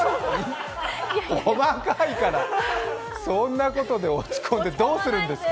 細かいから、そんなことで落ち込んでどうするんですか。